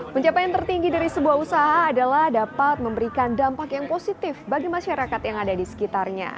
pencapaian tertinggi dari sebuah usaha adalah dapat memberikan dampak yang positif bagi masyarakat yang ada di sekitarnya